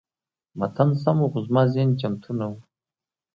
متن سم و، خو زما ذهن چمتو نه و.